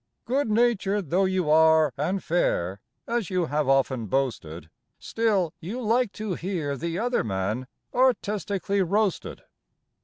Good natured though you are and fair, as you have often boasted, Still you like to hear the other man artistically roasted.